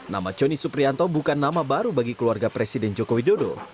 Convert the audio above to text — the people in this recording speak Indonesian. nama conny suprianto bukan nama baru bagi keluarga presiden joko widodo